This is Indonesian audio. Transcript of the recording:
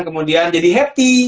kemudian jadi happy